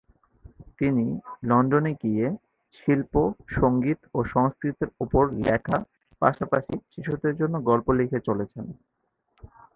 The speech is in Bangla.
তিনি লন্ডনে গিয়ে, শিল্প, সংগীত ও সংস্কৃতির ওপর লেখা, পাশাপাশি শিশুদের জন্য গল্প লিখে চলেছেন।